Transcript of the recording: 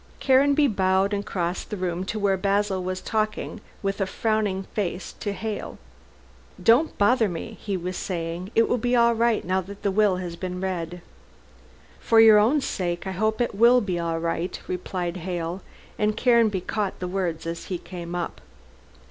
Caranby bowed and crossed the room to where Basil was talking with a frowning face to Hale. "Don't bother me," he was saying, "it will be all right now that the will has been read." "For your own sake I hope it will be all right," replied Hale, and Caranby caught the words as he came up.